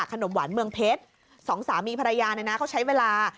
ขนมหวานเมืองเพชรสองสามีภรรยาเนี่ยนะเขาใช้เวลา